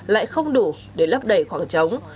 lại không đủ để lấp đầy khoảng trống